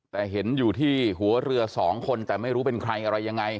แต่เห็นอยู่ที่หัวเรือสองคนแต่ไม่รู้เป็นใครอะไรยังไง